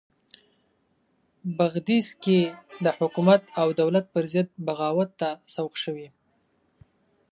بغدیس کې د حکومت او دولت پرضد بغاوت ته سوق شوي.